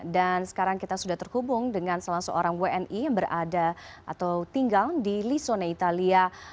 dan sekarang kita sudah terhubung dengan salah seorang wni yang berada atau tinggal di lissone italia